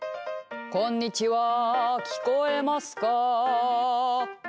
「こんにちは聞こえますか」